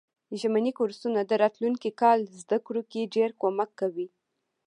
ژمني کورسونه د راتلونکي کال زده کړو کی ډیر کومک کوي.